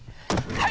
はい！